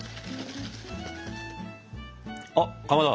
あっかまど。